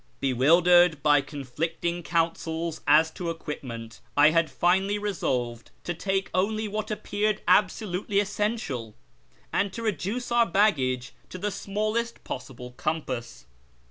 Bewildered by conflicting counsels as to equipment, I had finally resolved to take only what appeared absolutely essential, and to reduce our baggage to the smallest possible compass.